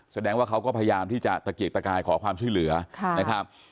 แสดงว่าเขาก็พยายามที่จะตะเกียกตะกายขอความช่วยเหลือนะครับ